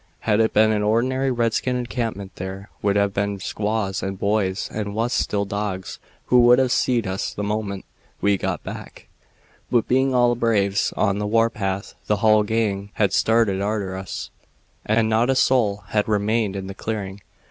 Had it been an ordinary redskin encampment there would have been squaws, and boys, and wuss still, dogs, who would have seed us the moment we got back; but being all braves on the war path the hull gang had started arter us, and not a soul had remained in the clearing.